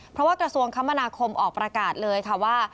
เพราะว่ากระทรวงคมนาคมออกประกาศเลยค่ะว่า